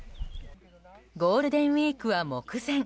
ゴールデンウィークは目前。